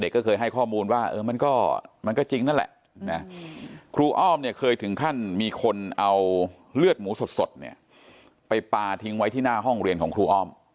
ก็เคยให้ข้อมูลว่ามันก็จริงนั่นแหละครูอ้อมเนี่ยเคยถึงขั้นมีคนเอาเลือดหมูสดเนี่ยไปปลาทิ้งไว้ที่หน้าห้องเรียนของครูอ้อม